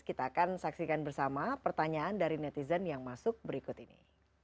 kita akan saksikan bersama pertanyaan dari netizen yang masuk berikut ini